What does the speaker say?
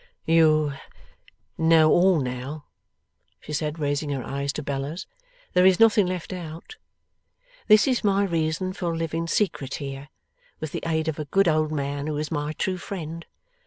'You know all now,' she said, raising her eyes to Bella's. 'There is nothing left out. This is my reason for living secret here, with the aid of a good old man who is my true friend.